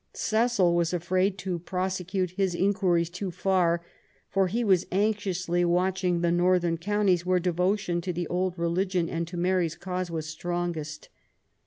Cecil was afraid to prosecute his inquiries too far, for he was anxiously watching the northern counties, where devotion to the old religion and to Mary's cause was strongest.